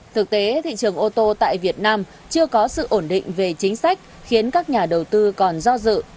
thực tế thị trường ô tô tại việt nam chưa có sự ổn định về chính sách khiến các nhà đầu tư còn do dự